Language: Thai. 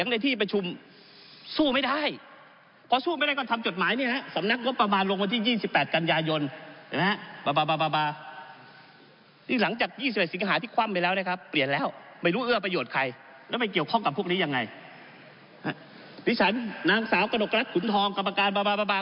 นี่ฉันนางสาวกนกรัฐขุนทองกรรมการบาบาบาบา